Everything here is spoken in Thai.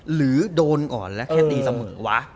หรือโดนก่อนและแค่ตีเสมอวะ